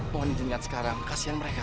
mohon ijinkan sekarang kasian mereka